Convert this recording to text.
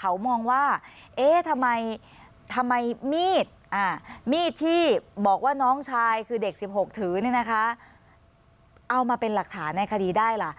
เขามองว่าเอ๊ะทำไมมีดมีดที่บอกว่าน้องชายคือเด็ก๑๖ถือเนี่ยนะคะเอามาเป็นหลักฐานในคดีได้ล่ะ